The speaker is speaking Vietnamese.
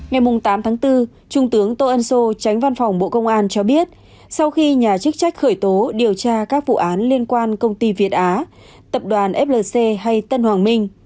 ngày tám tháng bốn trung tướng tô ân sô tránh văn phòng bộ công an cho biết sau khi nhà chức trách khởi tố điều tra các vụ án liên quan công ty việt á tập đoàn flc hay tân hoàng minh